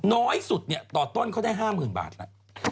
น้อยสุดเนี่ยต่อต้นเขาได้๕๐๐๐บาทแล้ว